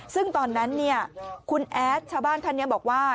ซึ่งตอนนั้นคุณแอดชาวบ้านท่านนี้บอกว่า